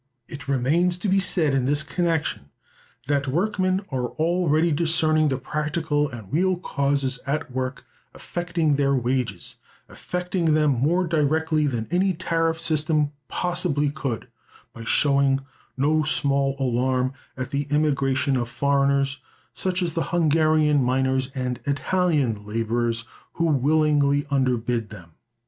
It remains to be said in this connection that workmen are already discerning the practical and real causes at work affecting their wages—affecting them more directly than any tariff system possibly could—by showing no small alarm at the immigration of foreigners, such as the Hungarian miners and Italian laborers, who willingly underbid them.